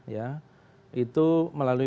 ya itu melalui